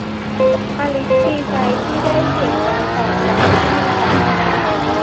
อลิซดีใจที่ได้เห็นการตอบรับที่ดีจากเขา